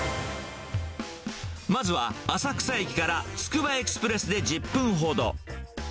まずは浅草駅からつくばエクスプレスで１０分ほど。